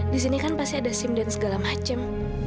disini kan pasti ada sim dan segala macem